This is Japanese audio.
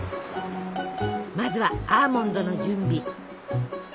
まずはアーモンドの準備。